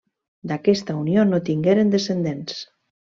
D'aquesta unió no tingueren descendents.